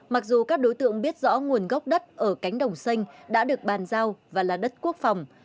mặc dù các đối tượng biết rõ nguồn gốc đất ở cánh đồng xanh đã được bàn giao và là đất quốc phòng